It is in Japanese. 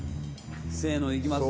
せーのいきます？